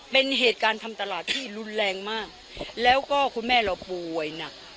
เป็นเหตุการณ์ทำตลาดที่รุนแรงมากแล้วก็คุณแม่เราป่วยหนัก